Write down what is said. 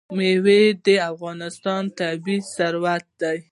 مېوې د افغانستان طبعي ثروت دی.